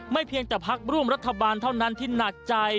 เพียงแต่พักร่วมรัฐบาลเท่านั้นที่หนักใจ